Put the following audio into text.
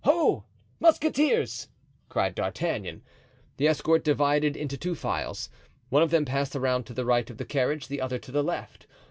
"Ho! Musketeers!" cried D'Artagnan. The escort divided into two files. One of them passed around to the right of the carriage, the other to the left.